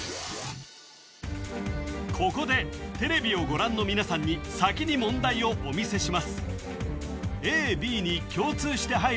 ここでテレビをご覧の皆さんに先に問題をお見せします